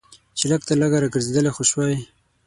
چې لږ تر لږه راګرځېدلی خو شوای.